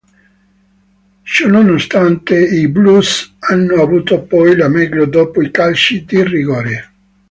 Ciononostante i "Blues" hanno avuto poi la meglio dopo i calci di rigore.